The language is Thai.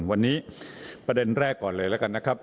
วันนี้ประเด็นแรกก่อนเลยแล้วกันนะครับ